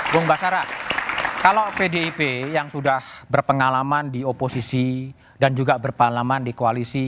bung basara kalau pdip yang sudah berpengalaman di oposisi dan juga berpengalaman di koalisi